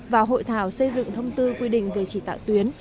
và hội thảo xây dựng thông tư quy định về chỉ đạo tuyến